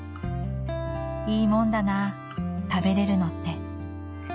いいもんだな食べれるのって」